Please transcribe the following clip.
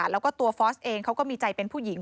แล้วก็ตัวฟอสเองเขาก็มีใจเป็นผู้หญิง